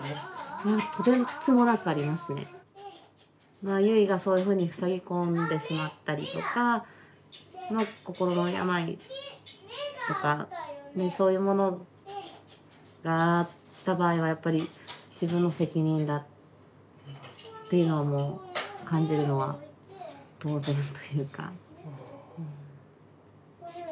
まあユイがそういうふうにふさぎこんでしまったりとか心の病とかそういうものがあった場合はやっぱり自分の責任だっていうのはもう感じるのは当然というか。